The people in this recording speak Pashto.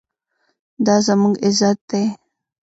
دا زموږ عزت دی؟